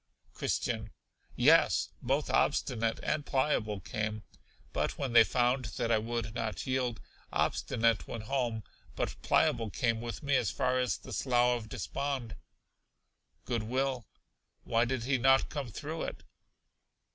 Christian. Yes, both Obstinate and Pliable came, but when they found that I would not yield, Obstinate went home, but Pliable came with me as far as the Slough of Despond. Good will. Why did he not come through it?